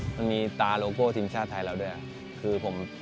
มันมีตาตีมชาติไทยลูกการเล่น